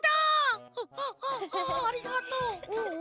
ああありがとう。